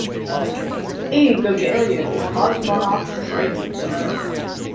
A. Gagarin Cosmonaut Training Center.